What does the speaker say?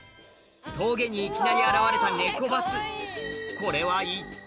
峠にいきなり現れたネコバスこれは一体？